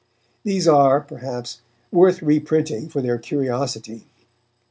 These are, perhaps, worth reprinting for their curiosity.